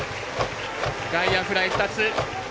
外野フライ２つ。